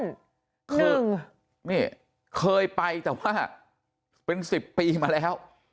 หนึ่งนี่เคยไปแต่ว่าเป็นสิบปีมาแล้ว